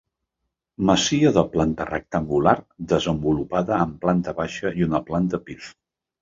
Masia de planta rectangular desenvolupada en planta baixa i una planta pis.